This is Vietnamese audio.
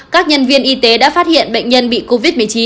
các nhân viên y tế đã phát hiện bệnh nhân bị covid một mươi chín